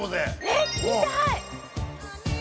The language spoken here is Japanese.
えっ見たい！